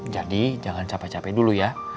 jadi jangan capek capek dulu ya